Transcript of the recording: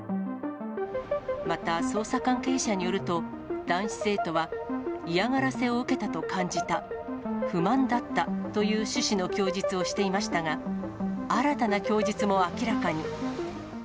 また、捜査関係者によると、男子生徒は、嫌がらせを受けたと感じた、不満だったという趣旨の供述をしていましたが、新たな供述も明らかに。